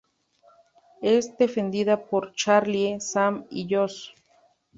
Es defendida por Charlie, Sam y Josh.